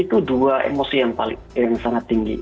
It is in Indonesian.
itu dua emosi yang sangat tinggi